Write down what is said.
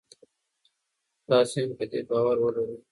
تاسي هم په دې باور ولرئ.